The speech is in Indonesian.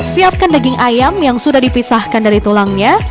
siapkan daging ayam yang sudah dipisahkan dari tulangnya